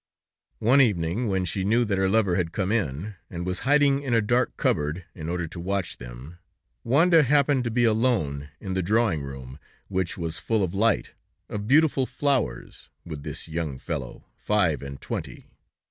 One evening, when she knew that her lover had come in, and was hiding in a dark cupboard in order to watch them, Wanda happened to be alone in the drawing room, which was full of light, of beautiful flowers, with this young fellow, five and twenty.